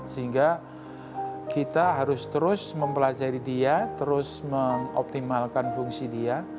sehingga kita harus terus mempelajari dia terus mengoptimalkan fungsi dia